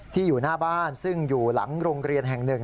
อยู่หน้าบ้านซึ่งอยู่หลังโรงเรียนแห่งหนึ่ง